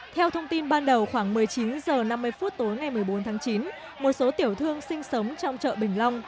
theo thông tin ban đầu khoảng một mươi chín h năm mươi phút tối ngày một mươi bốn tháng chín một số tiểu thương sinh sống trong chợ bình long